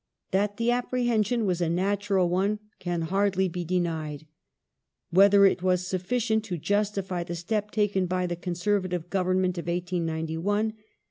That the apprehension was a natural one can scarcely be denied ; whether it was sufficient to justify the step taken by the Conservative Government of 1891 is more arguable.